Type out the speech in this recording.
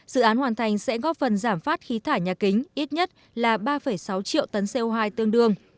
dự án hoàn thành sẽ góp phần giảm phát khí thải nhà kính ít nhất là ba sáu triệu tấn co hai tương đương